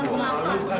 ini rumah lulus